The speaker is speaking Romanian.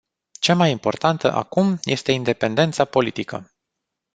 Cea mai importantă, acum, este independența politică.